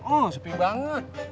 oh sepi banget